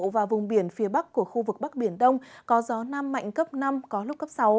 và vùng biển phía bắc của khu vực bắc biển đông có gió nam mạnh cấp năm có lúc cấp sáu